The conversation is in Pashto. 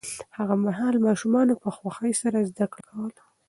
هغه مهال ماشومانو په خوښۍ سره زده کړه کوله.